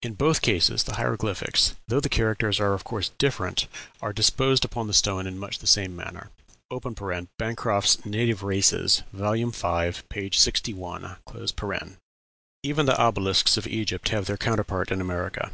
In both cases the hieroglyphics, though the characters are of course different, are disposed upon the stone in much the same manner. (Bancroft's "Native Races," vol. v., p. 61.) Even the obelisks of Egypt have their counterpart in America.